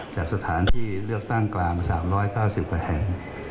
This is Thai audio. จากสถานที่เลือกตั้งกลาง๓๙๐กว่าแห่ง